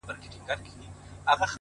هر څه چي راپېښ ســولـــــه”